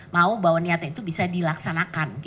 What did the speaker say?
mau bahwa niatnya itu bisa dilaksanakan